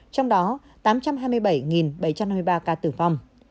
trong đó tám trăm hai mươi bảy bảy trăm hai mươi ba ca tử vong